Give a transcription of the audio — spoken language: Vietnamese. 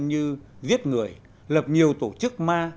như giết người lập nhiều tổ chức ma